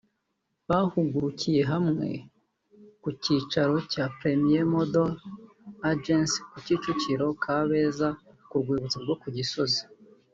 Bahugurukiye hamwe ku cyicaro cya Premier Model Agency ku Kicukiro berekeza ku Rwibutso rwo Ku Gisozi